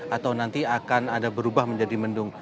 atau nanti akan ada berubah menjadi mendung